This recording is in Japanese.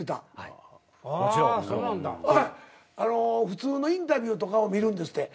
普通のインタビューとかを見るんですって。